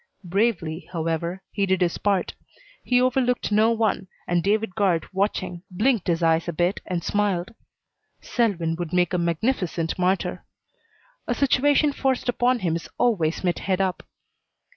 Bravely, however, he did his part. He overlooked no one, and David Guard, watching, blinked his eyes a bit and smiled. Selwyn would make a magnificent martyr. A situation forced upon him is always met head up.